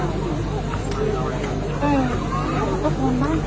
แม่ขอบคุณมากแม่ขอบคุณมากแม่ขอบคุณมาก